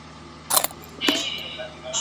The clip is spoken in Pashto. د اولس برخه ..